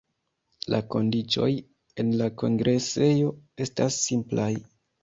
La kondiĉoj en la kongresejo estas simplaj.